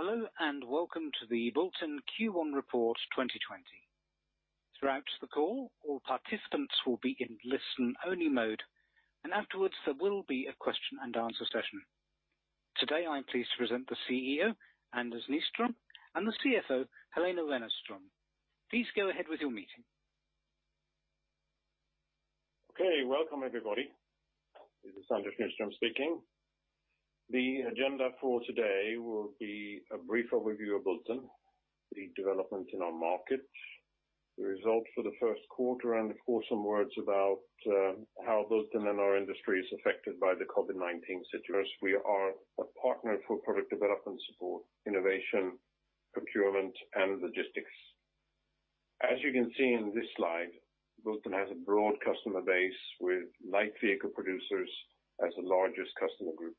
Hello, and welcome to the Bulten Q1 report 2020. Throughout the call, all participants will be in listen-only mode, and afterwards there will be a question-and-answer session. Today, I'm pleased to present the CEO, Anders Nyström, and the CFO, Helena Wennerström. Please go ahead with your meeting. Okay. Welcome everybody. This is Anders Nyström speaking. The agenda for today will be a brief overview of Bulten, the development in our markets, the result for the first quarter, and of course, some words about how Bulten and our industry is affected by the COVID-19 situation. We are a partner for product development support, innovation, procurement, and logistics. As you can see in this slide, Bulten has a broad customer base with light vehicle producers as the largest customer group.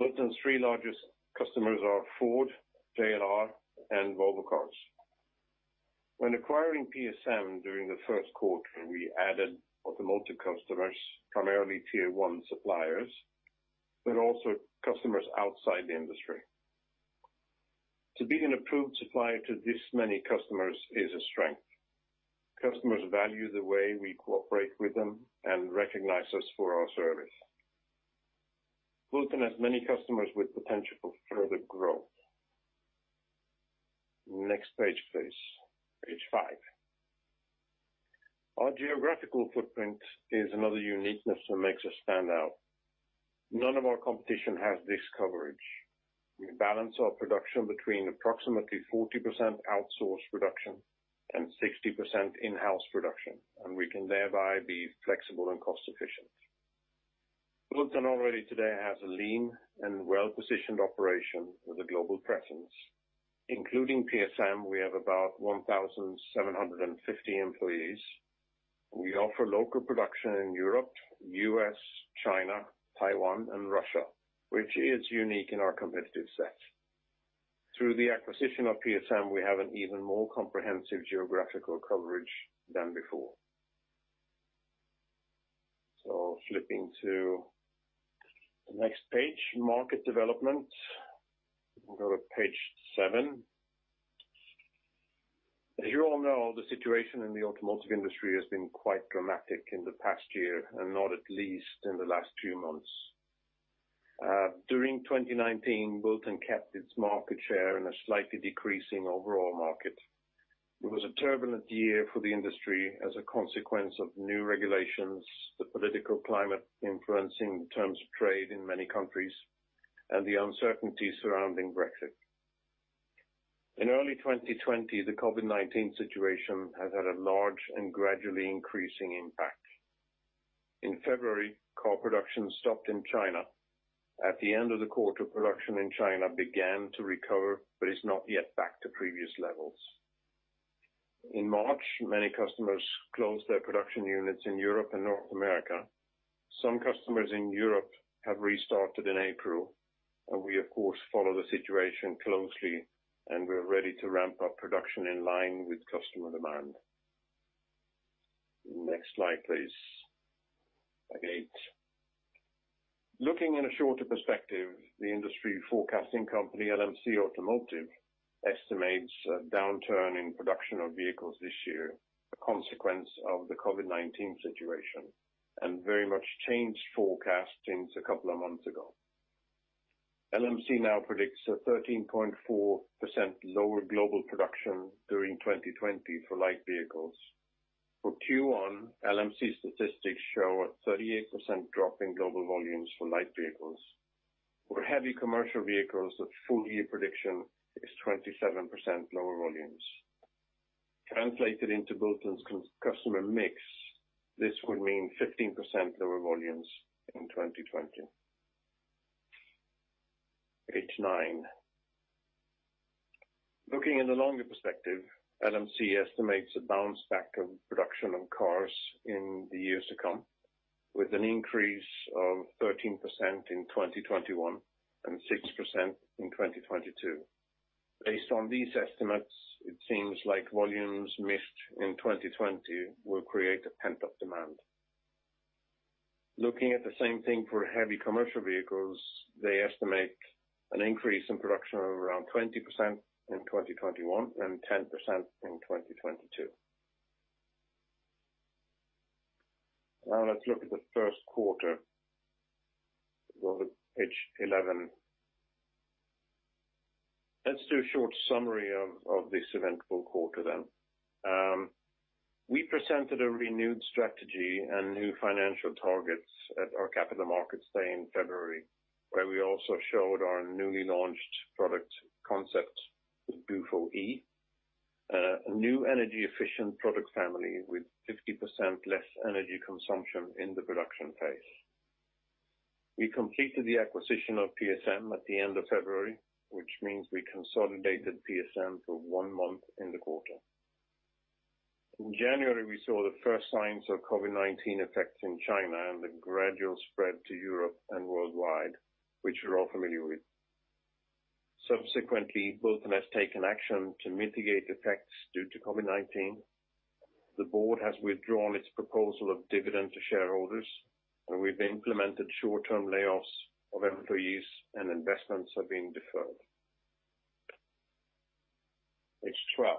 Bulten's three largest customers are Ford, JLR, and Volvo Cars. When acquiring PSM during the first quarter, we added automotive customers, primarily tier 1 suppliers, but also customers outside the industry. To be an approved supplier to this many customers is a strength. Customers value the way we cooperate with them and recognize us for our service. Bulten has many customers with potential for further growth. Next page, please. Page five. Our geographical footprint is another uniqueness that makes us stand out. None of our competition has this coverage. We balance our production between approximately 40% outsourced production and 60% in-house production. We can thereby be flexible and cost efficient. Bulten already today has a lean and well-positioned operation with a global presence. Including PSM, we have about 1,750 employees. We offer local production in Europe, U.S., China, Taiwan, and Russia, which is unique in our competitive set. Through the acquisition of PSM, we have an even more comprehensive geographical coverage than before. Flipping to the next page, market development. We can go to page seven. As you all know, the situation in the automotive industry has been quite dramatic in the past year, and not at least in the last two months. During 2019, Bulten kept its market share in a slightly decreasing overall market. It was a turbulent year for the industry as a consequence of new regulations, the political climate influencing the terms of trade in many countries, and the uncertainty surrounding Brexit. In early 2020, the COVID-19 situation has had a large and gradually increasing impact. In February, car production stopped in China. At the end of the quarter, production in China began to recover, but it's not yet back to previous levels. In March, many customers closed their production units in Europe and North America. Some customers in Europe have restarted in April, and we of course, follow the situation closely, and we're ready to ramp up production in line with customer demand. Next slide, please. Slide eight. Looking in a shorter perspective, the industry forecasting company, LMC Automotive, estimates a downturn in production of vehicles this year, a consequence of the COVID-19 situation, very much changed forecast since a couple of months ago. LMC now predicts a 13.4% lower global production during 2020 for light vehicles. For Q1, LMC statistics show a 38% drop in global volumes for light vehicles. For heavy commercial vehicles, the full year prediction is 27% lower volumes. Translated into Bulten's customer mix, this would mean 15% lower volumes in 2020. Page nine. Looking in the longer perspective, LMC estimates a bounce back of production of cars in the years to come, with an increase of 13% in 2021 and 6% in 2022. Based on these estimates, it seems like volumes missed in 2020 will create a pent-up demand. Looking at the same thing for heavy commercial vehicles, they estimate an increase in production of around 20% in 2021 and 10% in 2022. Let's look at the first quarter. Go to page 11. Let's do a short summary of this eventful quarter then. We presented a renewed strategy and new financial targets at our Capital Markets Day in February, where we also showed our newly launched product concept, BUFOe, a new energy efficient product family with 50% less energy consumption in the production phase. We completed the acquisition of PSM at the end of February, which means we consolidated PSM for one month in the quarter. In January, we saw the first signs of COVID-19 effects in China and the gradual spread to Europe and worldwide, which we're all familiar with. Subsequently, Bulten has taken action to mitigate effects due to COVID-19. The board has withdrawn its proposal of dividend to shareholders; we've implemented short-term layoffs of employees and investments are being deferred. Page 12.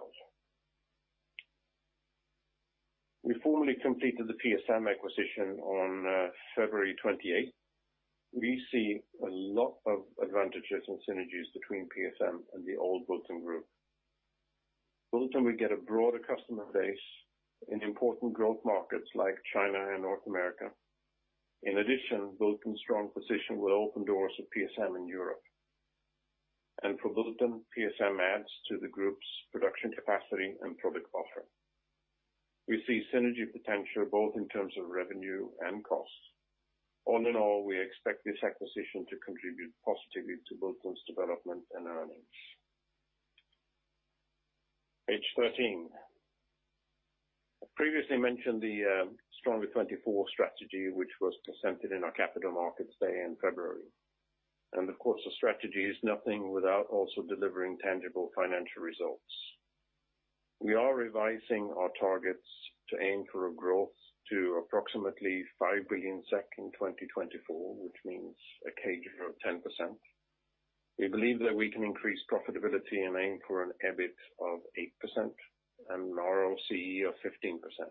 We formally completed the PSM acquisition on February 28th. We see a lot of advantages and synergies between PSM and the old Bulten group. Bulten will get a broader customer base in important growth markets like China and North America. In addition, Bulten's strong position will open doors for PSM in Europe. For Bulten, PSM adds to the group's production capacity and product offering. We see synergy potential both in terms of revenue and costs. All in all, we expect this acquisition to contribute positively to Bulten's development and earnings. Page 13. I previously mentioned the Stronger 24 strategy, which was presented in our capital markets day in February. Of course, the strategy is nothing without also delivering tangible financial results. We are revising our targets to aim for a growth to approximately 5 billion SEK in 2024, which means a CAGR of 10%. We believe that we can increase profitability and aim for an EBIT of 8% and ROCE of 15%.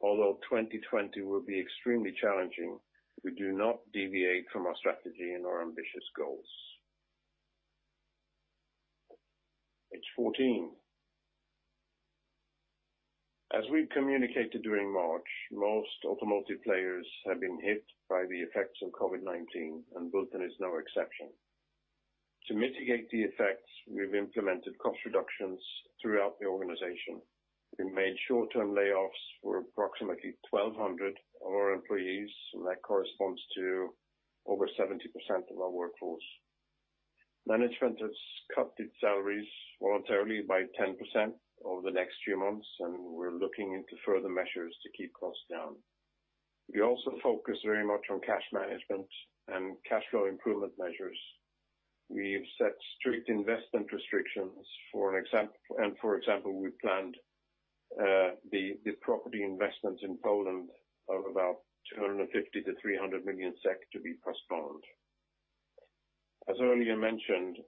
Although 2020 will be extremely challenging, we do not deviate from our strategy and our ambitious goals. Page 14. As we communicated during March, most automotive players have been hit by the effects of COVID-19, and Bulten is no exception. To mitigate the effects, we've implemented cost reductions throughout the organization. We've made short-term layoffs for approximately 1,200 of our employees, and that corresponds to over 70% of our workforce. Management has cut its salaries voluntarily by 10% over the next few months, and we're looking into further measures to keep costs down. We also focus very much on cash management and cash flow improvement measures. We have set strict investment restrictions, for example, we planned the property investment in Poland of about 250 million-300 million SEK to be postponed. As earlier mentioned,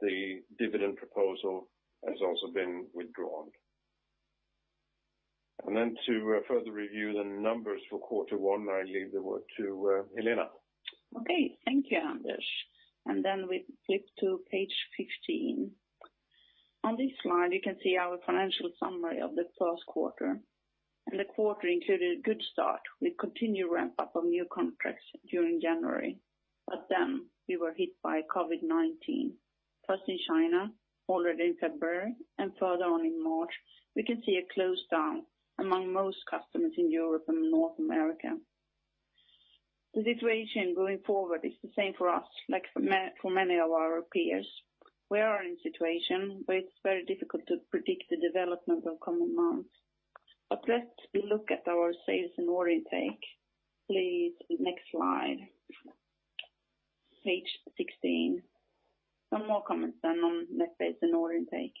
the dividend proposal has also been withdrawn. To further review the numbers for quarter one, I leave the word to Helena. Okay. Thank you, Anders. We flip to page 15. On this slide, you can see our financial summary of the first quarter, the quarter included a good start with continued ramp-up of new contracts during January. We were hit by COVID-19, first in China, followed in February, and further on in March, we could see a close down among most customers in Europe and North America. The situation going forward is the same for us, like for many of our peers. We are in a situation where it's very difficult to predict the development of coming months. Let's look at our sales and order intake, please. Next slide. Page 16. Some more comments then on net sales and order intake.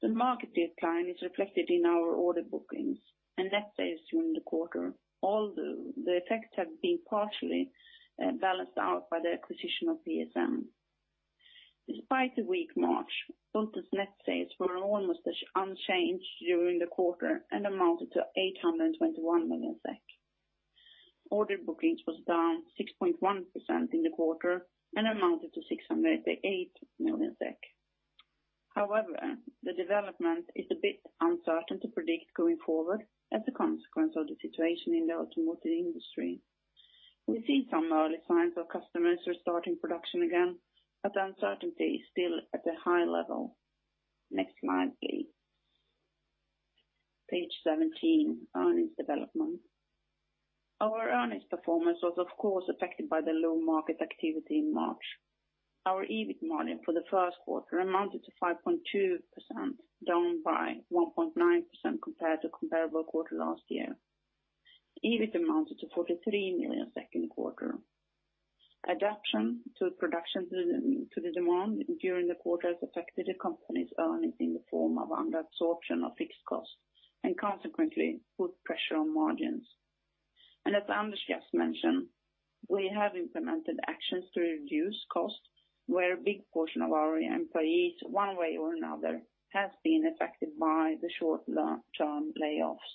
The market decline is reflected in our order bookings and net sales during the quarter, although the effects have been partially balanced out by the acquisition of PSM. Despite the weak March, Bulten's net sales were almost unchanged during the quarter and amounted to 821 million SEK. Order bookings was down 6.1% in the quarter and amounted to 688 million SEK. The development is a bit uncertain to predict going forward as a consequence of the situation in the automotive industry. We see some early signs of customers restarting production again, but uncertainty is still at a high level. Next slide, please. Page 17, earnings development. Our earnings performance was of course affected by the low market activity in March. Our EBIT margin for the first quarter amounted to 5.2%, down by 1.9% compared to comparable quarter last year. The EBIT amounted to 43 million in the quarter. Adaption to production to the demand during the quarter has affected the company's earnings in the form of under absorption of fixed costs and consequently put pressure on margins. As Anders just mentioned, we have implemented actions to reduce costs where a big portion of our employees, one way or another, has been affected by the short-term layoffs.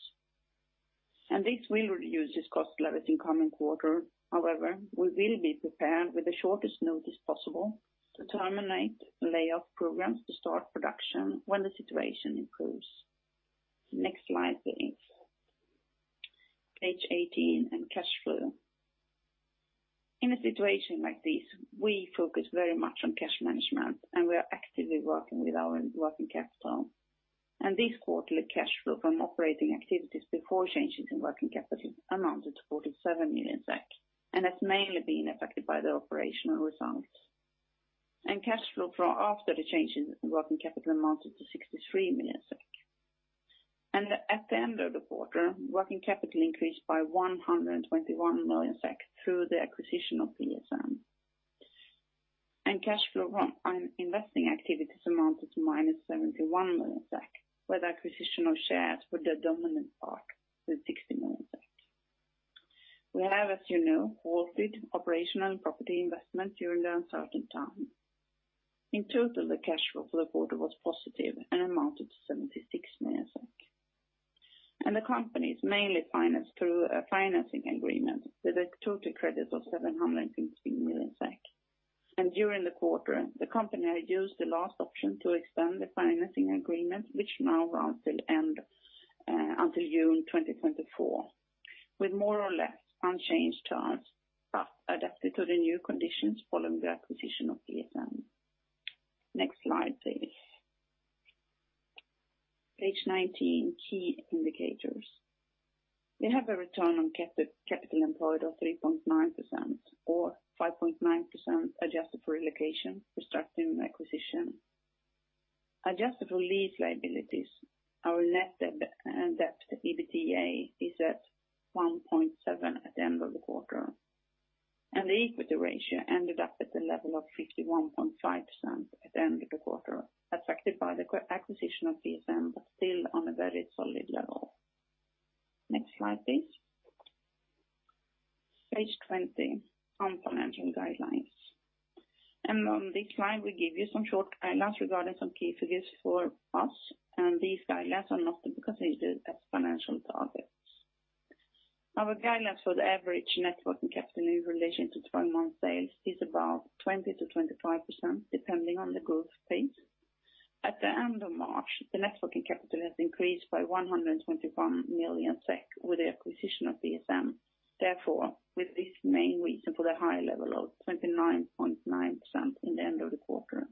This will reduce these cost levels in coming quarter. However, we will be prepared with the shortest notice possible to terminate layoff programs to start production when the situation improves. Next slide, please. Page 18 in cash flow. In a situation like this, we focus very much on cash management, and we are actively working with our working capital. This quarterly cash flow from operating activities before changes in working capital amounted to 47 million SEK and has mainly been affected by the operational results. Cash flow after the change in working capital amounted to 63 million SEK. At the end of the quarter, working capital increased by 121 million SEK through the acquisition of PSM. Cash flow from investing activities amounted to -71 million SEK, where the acquisition of shares was the dominant part with 60 million SEK. We have, as you know, halted operational and property investment during the uncertain time. In total, the cash flow for the quarter was positive and amounted to 76 million. The company is mainly financed through a financing agreement with a total credit of 716 million SEK. During the quarter, the company used the last option to extend the financing agreement, which now runs until June 2024, with more or less unchanged terms, but adapted to the new conditions following the acquisition of PSM. Next slide, please. Page 19, key indicators. We have a return on capital employed of 3.9% or 5.9% adjusted for relocation, restructuring, and acquisition. Adjusted for lease liabilities, our net debt to EBITDA is at 1.7x at the end of the quarter, and the equity ratio ended up at the level of 51.5% at the end of the quarter, affected by the acquisition of PSM, but still on a very solid level. Next slide, please. Page 20, on financial guidelines. On this slide, we give you some short guidelines regarding some key figures for us, and these guidelines are not to be considered as financial targets. Our guidelines for the average net working capital in relation to 12-month sales is about 20%-25%, depending on the growth pace. At the end of March, the net working capital has increased by 121 million SEK with the acquisition of PSM. With this main reason for the high level of 29.9% in the end of the quarter.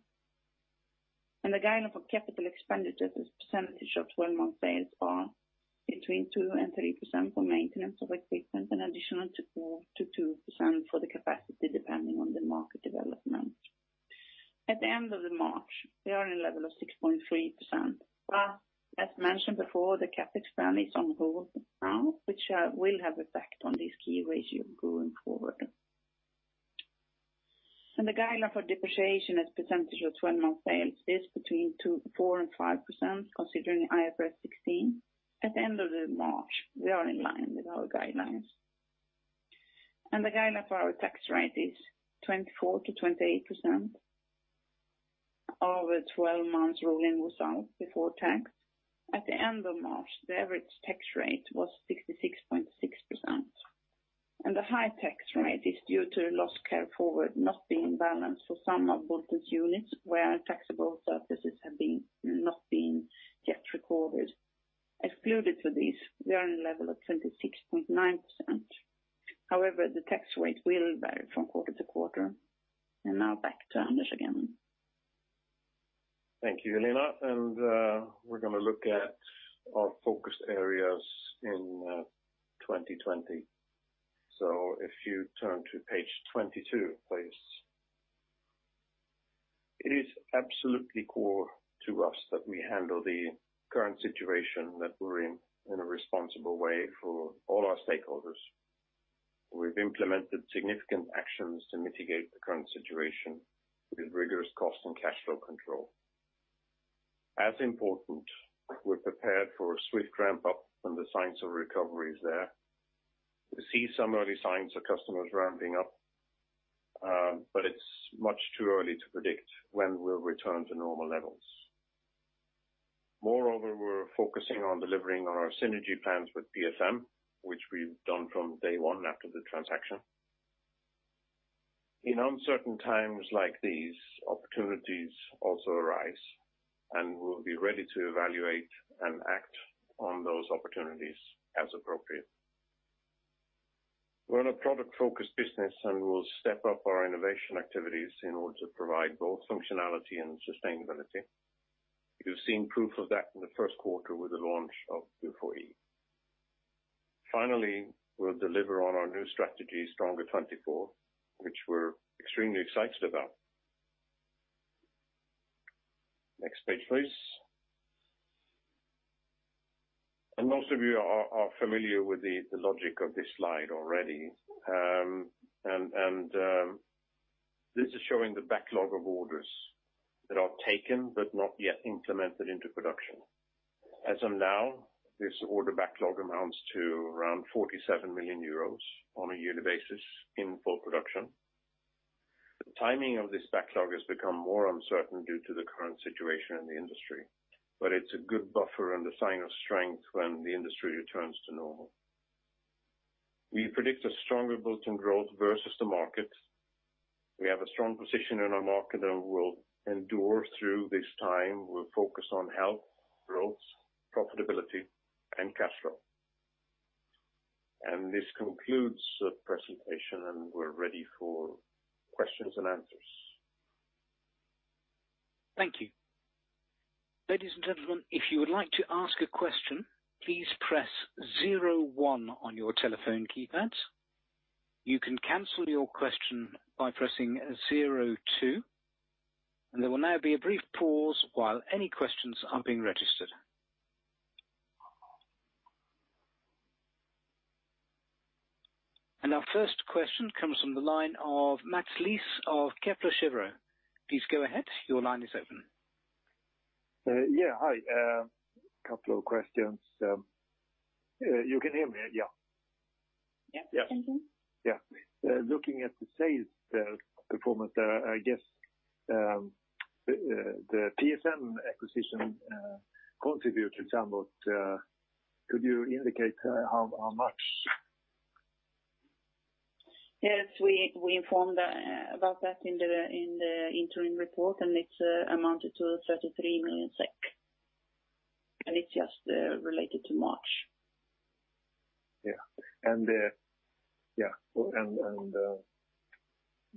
The guideline for capital expenditures as a percentage of 12-month sales are between 2% and 3% for maintenance of equipment, an additional [0.4%-2%] for the capacity, depending on the market development. At the end of the March, we are in a level of 6.3%, as mentioned before, the CapEx plan is on hold now, which will have effect on this key ratio going forward. The guideline for depreciation as a percentage of 12-month sales is between 4% and 5% considering the IFRS 16. At the end of the March, we are in line with our guidelines. The guideline for our tax rate is 24%-28%. Over 12 months rolling was out before tax. At the end of March, the average tax rate was 66.6%, and the high tax rate is due to loss carryforward not being balanced for some of Bulten's units where taxable services have not been yet recorded. Excluded to this, we are in a level of 26.9%. However, the tax rate will vary from quarter to quarter. Now back to Anders again. Thank you, Helena. We're going to look at our focus areas in 2020. If you turn to page 22, please. It is absolutely core to us that we handle the current situation that we're in a responsible way for all our stakeholders. We've implemented significant actions to mitigate the current situation with rigorous cost and cash flow control. As important, we're prepared for a swift ramp-up when the signs of recovery is there. We see some early signs of customers ramping up, but it's much too early to predict when we'll return to normal levels. Moreover, we're focusing on delivering on our synergy plans with PSM, which we've done from day one after the transaction. In uncertain times like these, opportunities also arise, and we'll be ready to evaluate and act on those opportunities as appropriate. We're in a product-focused business, and we'll step up our innovation activities in order to provide both functionality and sustainability. You've seen proof of that in the first quarter with the launch of BUFOe. Finally, we'll deliver on our new strategy, Stronger 24, which we're extremely excited about. Next page, please. Most of you are familiar with the logic of this slide already. This is showing the backlog of orders that are taken but not yet implemented into production. As of now, this order backlog amounts to around 47 million euros on a yearly basis in full production. The timing of this backlog has become more uncertain due to the current situation in the industry, but it's a good buffer and a sign of strength when the industry returns to normal. We predict a stronger Bulten growth versus the market. We have a strong position in our market that will endure through this time. We're focused on health, growth, profitability, and cash flow. This concludes the presentation, and we're ready for questions and answers. Thank you. Ladies and gentlemen, if you would like to ask a question, please press zero one on your telephone keypads. You can cancel your question by pressing zero two. There will now be a brief pause while any questions are being registered Our first question comes from the line of Mats Liss of Kepler Cheuvreux. Please go ahead. Your line is open. Yeah. Hi. Couple of questions. You can hear me, yeah? Yes. Yeah. Looking at the sales performance there, I guess, the PSM acquisition contributed somewhat. Could you indicate how much? Yes, we informed about that in the interim report, and it amounted to 33 million SEK, and it's just related to March. Yeah.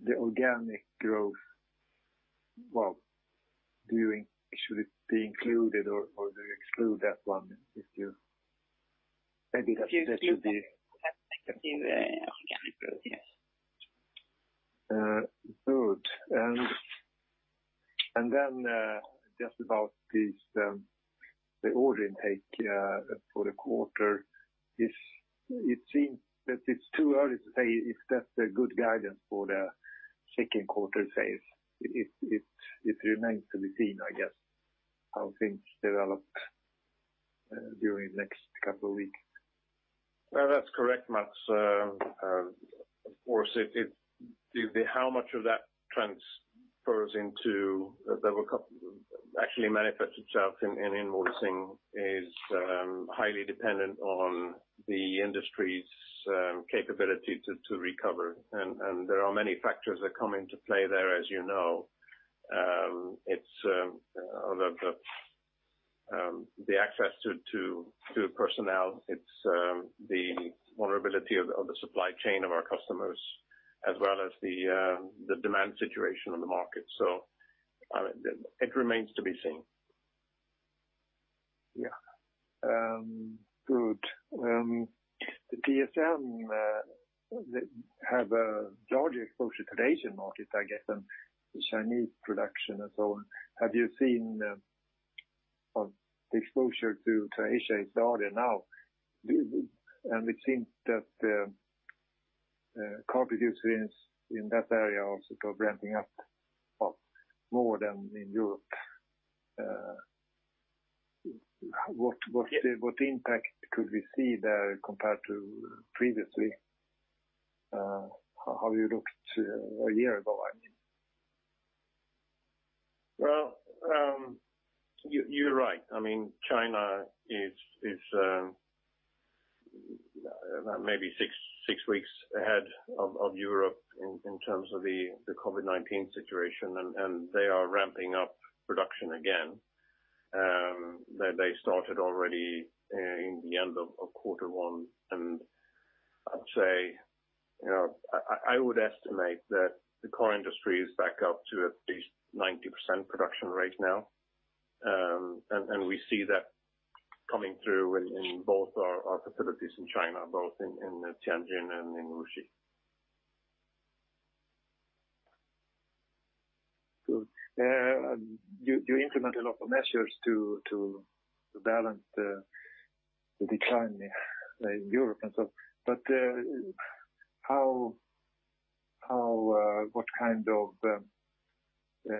The organic growth, well, should it be included or do you exclude that one? Include the organic growth, yes. Good. Just about the order intake for the quarter. It seems that it's too early to say if that's a good guidance for the second quarter sales. It remains to be seen, I guess, how things develop during the next couple of weeks. That's correct, Mats. Of course, how much of that will actually manifest itself in invoicing is highly dependent on the industry's capability to recover, and there are many factors that come into play there, as you know. The access to personnel, it's the vulnerability of the supply chain of our customers, as well as the demand situation on the market. It remains to be seen. Yeah. Good. The PSM have a larger exposure to the Asian market, I guess, than the Chinese production and so on. Have you seen the exposure to Asia is larger now? It seems that car producers in that area are sort of ramping up more than in Europe. Yes. What impact could we see there compared to previously? How you looked a year ago, I mean. Well, you're right. China is maybe six weeks ahead of Europe in terms of the COVID-19 situation. They are ramping up production again. They started already in the end of quarter one. I would estimate that the car industry is back up to at least 90% production rate now. We see that coming through in both our facilities in China, both in Tianjin and in Wuxi. Good. You implement a lot of measures to balance the decline in Europe and so forth, but what kind of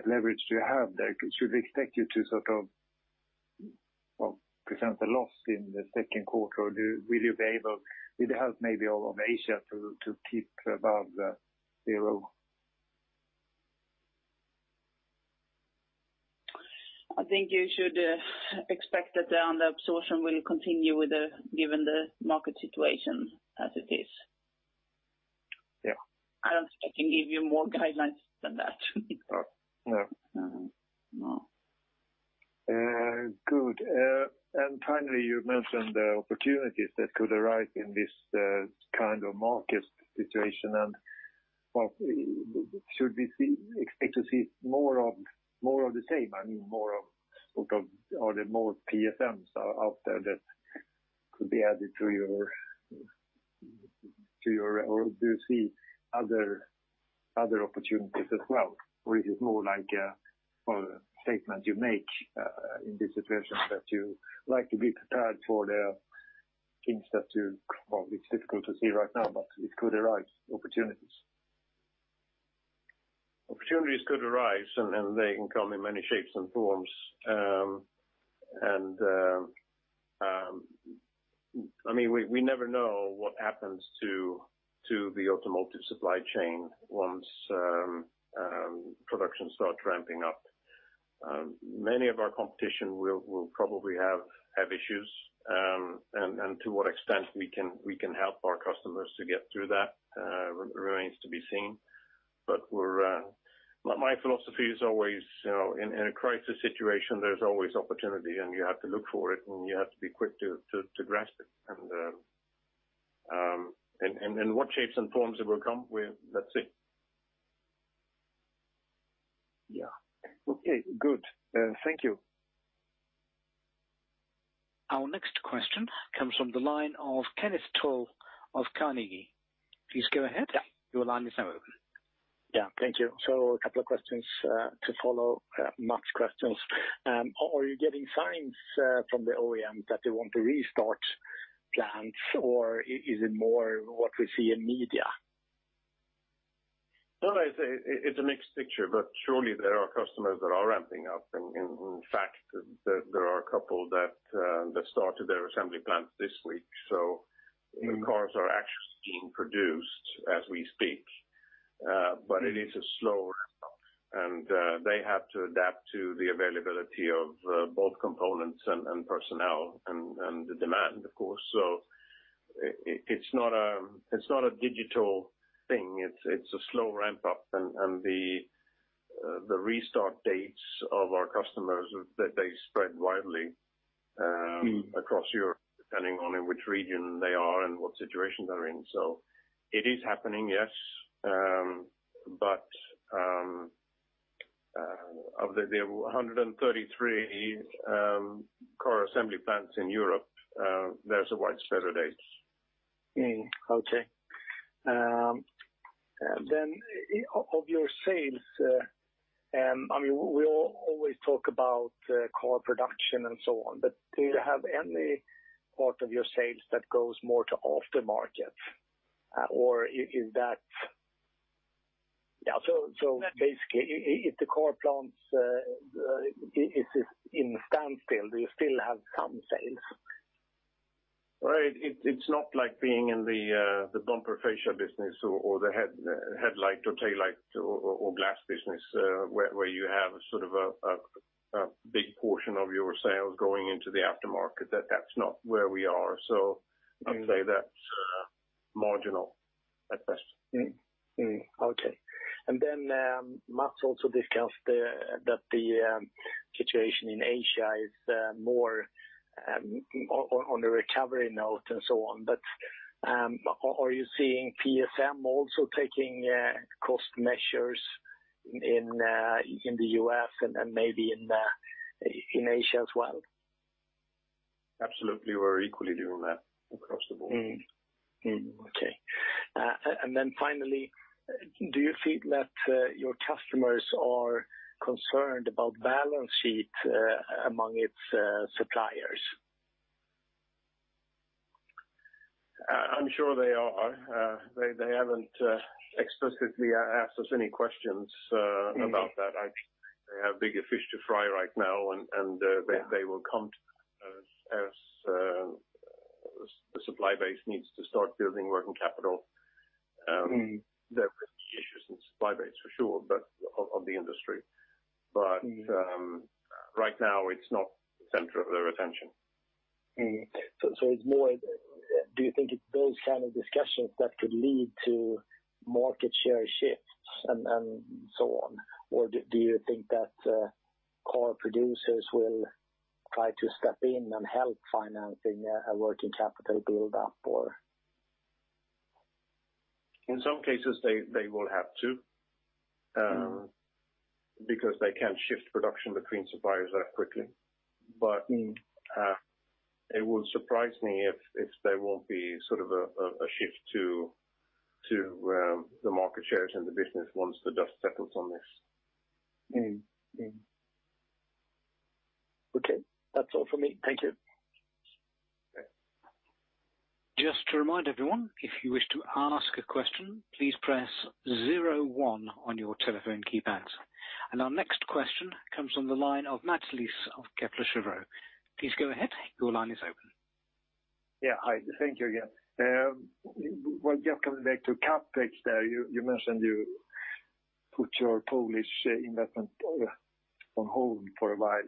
leverage do you have there? Should we expect you to sort of present a loss in the second quarter? Will you be able with the help maybe of Asia to keep above zero? I think you should expect that the absorption will continue given the market situation as it is. Yeah. I don't think I can give you more guidelines than that. No. No. Good. Finally, you mentioned the opportunities that could arise in this kind of market situation, and should we expect to see more of the same? I mean, more of the PSMs out there that could be added to you, or do you see other opportunities as well? Is it more like a statement you make in this situation that you like to be prepared for the things that you Well, it's difficult to see right now, but it could arise opportunities. Opportunities could arise. They can come in many shapes and forms. We never know what happens to the automotive supply chain once production starts ramping up. Many of our competition will probably have issues, and to what extent we can help our customers to get through that remains to be seen. My philosophy is always in a crisis situation, there's always opportunity, and you have to look for it, and you have to be quick to grasp it. In what shapes and forms it will come, well, let's see. Yeah. Okay, good. Thank you. Our next question comes from the line of Kenneth Toll of Carnegie. Please go ahead. Yeah. Your line is now open Yeah. Thank you. A couple of questions to follow Mats' questions. Are you getting signs from the OEM that they want to restart plants or is it more what we see in media? No, it's a mixed picture, but surely there are customers that are ramping up. In fact, there are a couple that started their assembly plant this week. New cars are actually being produced as we speak. It is a slow ramp up and they have to adapt to the availability of both components and personnel and the demand, of course. It's not a digital thing. It's a slow ramp up and the restart dates of our customers, they spread widely across Europe, depending on in which region they are and what situation they're in. It is happening, yes. Of the 133 car assembly plants in Europe, there's a wide spread of dates. Okay. Of your sales, we all always talk about car production and so on, but do you have any part of your sales that goes more to aftermarket? Basically, if the car plants is in standstill, do you still have some sales? Well, it's not like being in the bumper fascia business or the headlight or taillight or glass business, where you have a big portion of your sales going into the aftermarket. That's not where we are. I would say that's marginal at best. Okay. Mats also discussed that the situation in Asia is more on the recovery note and so on. Are you seeing PSM also taking cost measures in the U.S. and maybe in Asia as well? Absolutely. We're equally doing that across the board. Okay. Finally, do you feel that your customers are concerned about balance sheet among its suppliers? I'm sure they are. They haven't explicitly asked us any questions about that. They have bigger fish to fry right now, and they will come to that as the supply base needs to start building working capital. There could be issues in supply base for sure, but of the industry. Right now, it's not the center of their attention. Do you think it builds kind of discussions that could lead to market share shifts and so on? Or do you think that car producers will try to step in and help financing a working capital build up or? In some cases, they will have to, because they can't shift production between suppliers that quickly. It would surprise me if there won't be sort of a shift to the market shares and the business once the dust settles on this. Okay. That's all for me. Thank you. Just to remind everyone, if you wish to ask a question, please press zero one on your telephone keypads. Our next question comes from the line of Mats Liss of Kepler Cheuvreux. Please go ahead, your line is open. Yeah. Hi. Thank you again. Well, just coming back to CapEx there, you mentioned you put your Polish investment on hold for a while,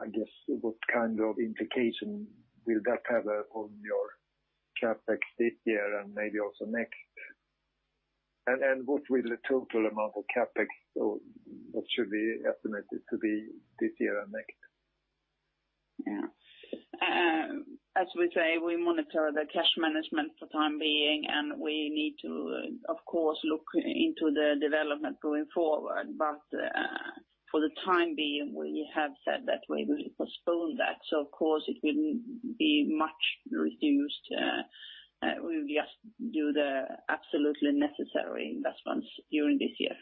I guess what kind of implication will that have on your CapEx this year and maybe also next year? What will the total amount of CapEx, or what should be estimated to be this year and next? As we say, we monitor the cash management for time being, and we need to, of course, look into the development going forward. For the time being, we have said that we will postpone that. Of course it will be much reduced. We will just do the absolutely necessary investments during this year.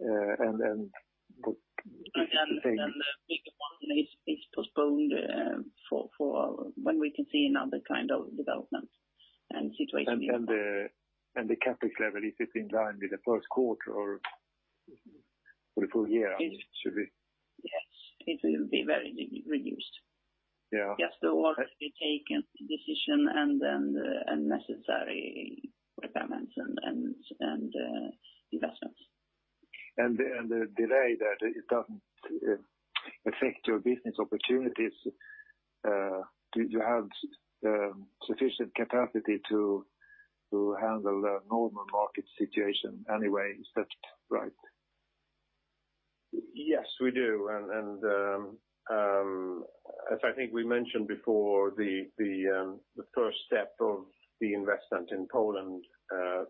And then the thing- The big one is postponed for when we can see another kind of development and situation going on. The CapEx level, is it in line with the first quarter or for the full year should it be? Yes, it will be very reduced. Yeah. Just the order we taken, the decision and necessary requirements and investments. The delay, that it doesn't affect your business opportunities, do you have sufficient capacity to handle the normal market situation anyway? Is that right? Yes, we do. As I think we mentioned before, the first step of the investment in Poland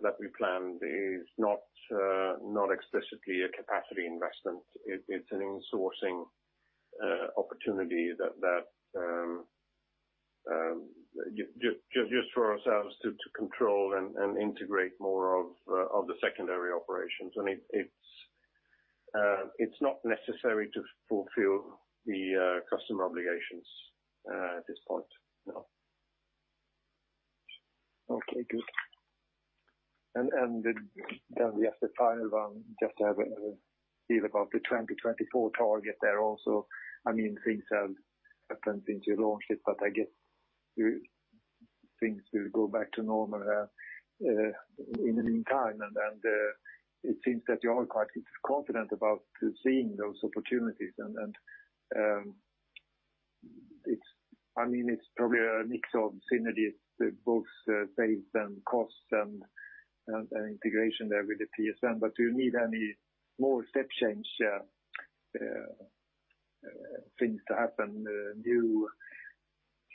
that we planned is not explicitly a capacity investment. It's an insourcing opportunity that just for ourselves to control and integrate more of the secondary operations. It's not necessary to fulfill the customer obligations at this point, no. Okay, good. Then the final one, just to have an idea about the 2024 target there also. Things have happened into your launch date, but I guess things will go back to normal in the meantime. It seems that you are quite confident about seeing those opportunities, and it's probably a mix of synergies, both base and cost, and integration there with the PSM. Do you need any more step change things to happen, new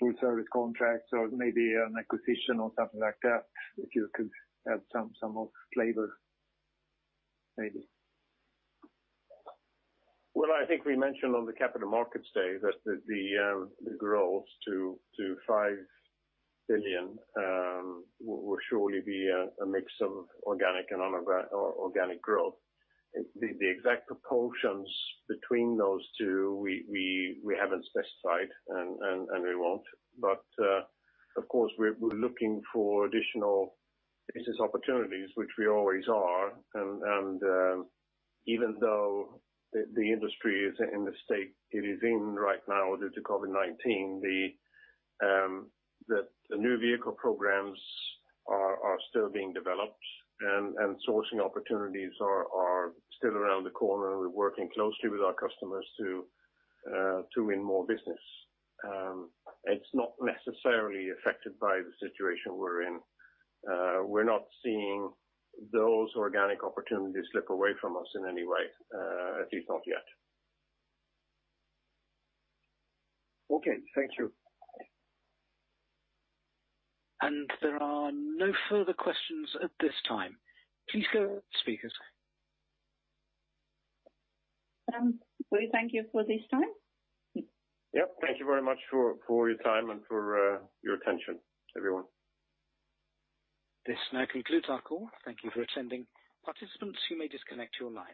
BUFOe contracts or maybe an acquisition or something like that? If you could add some more flavor, maybe. Well, I think we mentioned on the capital markets day that the growth to 5 billion will surely be a mix of organic and inorganic growth. The exact proportions between those two, we haven't specified, and we won't. Of course, we're looking for additional business opportunities, which we always are. Even though the industry is in the state it is in right now due to COVID-19, the new vehicle programs are still being developed, and sourcing opportunities are still around the corner. We're working closely with our customers to win more business. It's not necessarily affected by the situation we're in. We're not seeing those organic opportunities slip away from us in any way, at least not yet. Okay. Thank you. There are no further questions at this time. Please go ahead, speakers. We thank you for this time. Yep. Thank you very much for your time and for your attention, everyone. This now concludes our call. Thank you for attending. Participants, you may disconnect your lines.